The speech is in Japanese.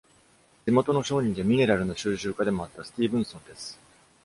地元の商人で、ミネラルの収集家でもあったスティーブンソンです。